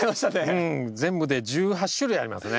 うん全部で１８種類ありますね。